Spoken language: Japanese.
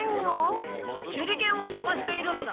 手裏剣をさがしているのだ。